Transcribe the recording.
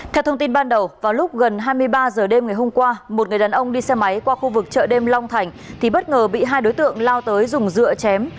theo thông tin ban đầu vào lúc gần hai mươi ba h đêm ngày hôm qua một người đàn ông đi xe máy qua khu vực chợ đêm long thành thì bất ngờ bị hai đối tượng lao tới dùng dựa chém